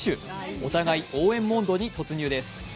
お互い応援モードに突入です。